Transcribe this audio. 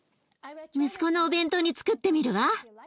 息子のお弁当につくってみるわ。